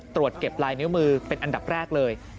ตรวจเก็บลายนิ้วมือเป็นอันดับแรกเลย